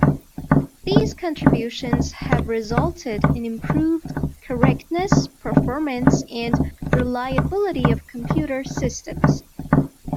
These contributions have resulted in improved correctness, performance, and reliability of computer systems.